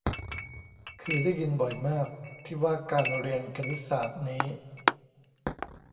คือได้ยินบ่อยมาก ที่ว่าการเรียนคณิตศาสตร์นี้